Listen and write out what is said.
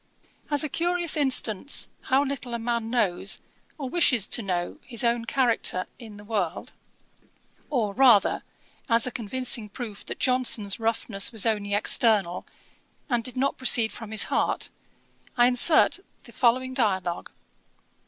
As a curious instance how little a man knows, or wishes to know, his own character in the world, or, rather, as a convincing proof that Johnson's roughness was only external, and did not proceed from his heart, I insert the following dialogue.